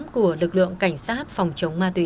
của lực lượng cảnh sát phòng chống ma túy